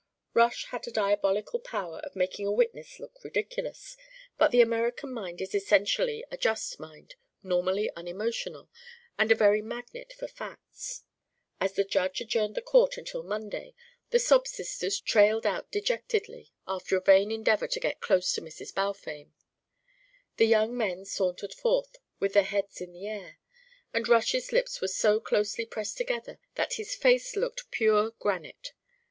Rush had a diabolical power of making a witness look ridiculous, but the American mind is essentially a just mind, normally unemotional, and a very magnet for facts. As the Judge adjourned the court until Monday the sob sisters trailed out dejectedly, after a vain endeavour to get close to Mrs. Balfame; the young men sauntered forth with their heads in the air, and Rush's lips were so closely pressed together that his face looked pure granite.